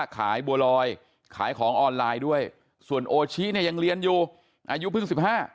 ขายบัวลอยขายของออนไลน์ด้วยส่วนโอชิเนี่ยยังเรียนอยู่อายุเพิ่งสิบห้า